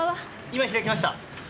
今開きました。